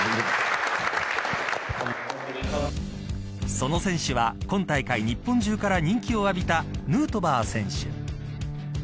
その選手は、今大会日本中から人気を浴びたヌートバー選手。